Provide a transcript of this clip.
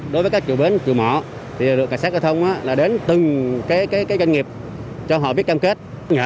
đối với các chủ bến chủ mỏ thì lực lượng cảnh sát giao thông là đến từng cái doanh nghiệp cho họ viết cam kết